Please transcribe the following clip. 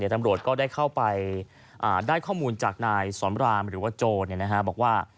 ตำรวจก็ได้เข้าไปได้ข้อมูลจากนายสอนรามหรือว่าโจบอกว่า